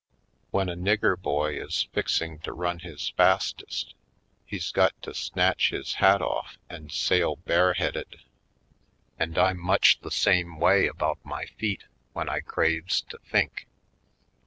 When a nigger boy is fixing to run his fastest he's got to snatch his hat off and sail bareheaded; and I'm much the same way 192 /. PoindexteTj Colored about my feet when I craves to think.